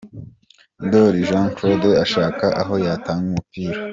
Ndoli Jean Claude ashaka aho yatanga umupira.